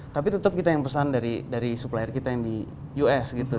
tapi tetap kita yang pesan dari supplier kita yang di us gitu